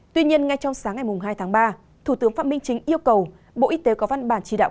tuy nhiên ngay trong sáng ngày hai tháng ba thủ tướng phạm minh chính yêu cầu bộ y tế có văn bản chỉ đạo